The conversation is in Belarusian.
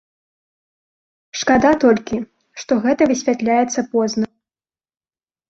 Шкада толькі, што гэта высвятляецца позна.